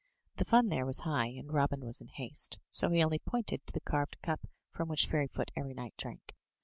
The fun there was high, and Robin was in haste. So he only pointed to the carved cup from which Fairyfoot every night drank.